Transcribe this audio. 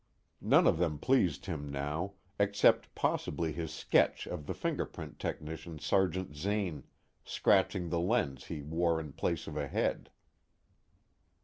None of them pleased him now, except possibly his sketch of the fingerprint technician Sergeant Zane scratching the lens he wore in place of a head.